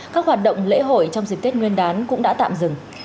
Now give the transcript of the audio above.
các hoạt động lễ hội trong dịp tết nguyên đán cũng đã tạm dừng